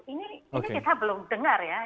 ini kita belum dengar ya